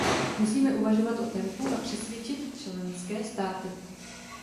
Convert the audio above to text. Musíme uvažovat o tempu a přesvědčit členské státy.